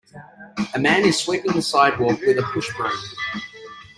a man is sweeping the sidewalk with a push broom